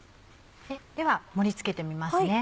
では盛り付けてみますね。